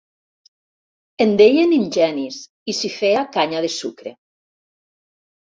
En deien ingenis i s'hi feia canya de sucre.